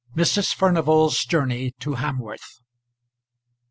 MRS. FURNIVAL'S JOURNEY TO HAMWORTH.